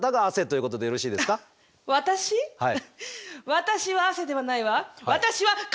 私は汗ではないわ。